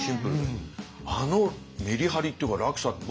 あのメリハリっていうか落差